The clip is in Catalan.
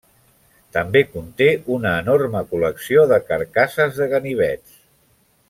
També conté una enorme col·lecció de carcasses de ganivets.